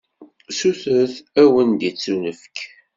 Sutret, ad wen-d-ittunefk!